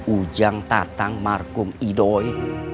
ujang tatang markum idoe